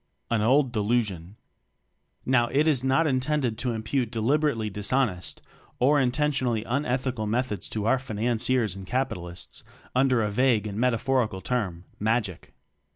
An Old Delusion. Now it is not intended to impute deliberately dishonest or intentionally unethical methods to our Financiers and Capitalists, under a vague and metaphorical term, "Magic."